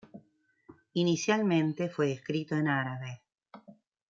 Inicialmente fue escrito en árabe.